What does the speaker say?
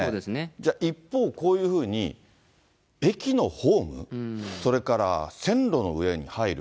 じゃあ一方、こういうふうに駅のホーム、それから線路の上に入る。